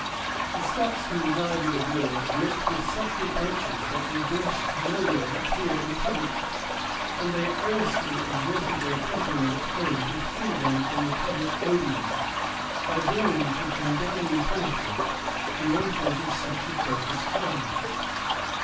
[] The Scots who resided abroad met with such reproaches, that they durst nowhere appear in public; and they earnestly exhorted their countrymen at home to free them from the public odium, by bringing to condign punishment the authors of such atrocious crimes.